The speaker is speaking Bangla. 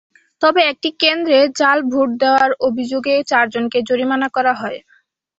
তবে একটি কেন্দ্রে জাল ভোট দেওয়ার অভিযোগে চারজনকে জরিমানা করা হয়।